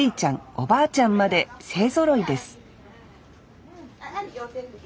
おばあちゃんまで勢ぞろいです